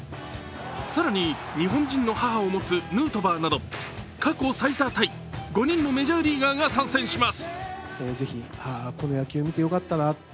更に、日本人の母を持つヌートバーなど過去最多タイ、５人のメジャーリーガーが参戦します。